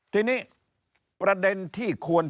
ทีนี้ประเด็นที่ควร